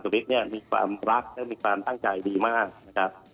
ก็ถามแต่ท่านคุณสมฤทธิ์มีความรักก็มีความตั้งใจดีมาก